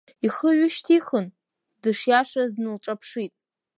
Ихы ҩышьҭихын, дышиашаз дналҿаԥшит.